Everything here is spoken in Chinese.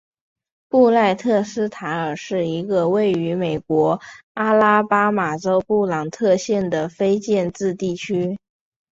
布赖特斯塔尔是一个位于美国阿拉巴马州布朗特县的非建制地区。